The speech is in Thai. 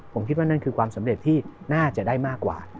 ผมคิดว่านั่นคือความสำเร็จที่น่าจะได้มากกว่า